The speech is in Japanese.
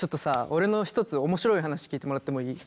俺の一つ面白い話聞いてもらってもいい？